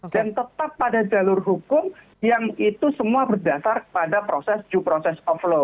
dan tetap pada jalur hukum yang itu semua berdasar pada proses due process of law